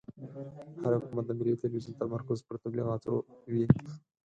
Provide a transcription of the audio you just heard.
هر حکومت د ملي تلویزون تمرکز پر تبلیغاتو وي.